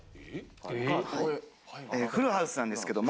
フルハウスなんですけども。